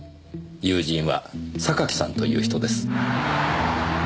友人は榊さんという人です。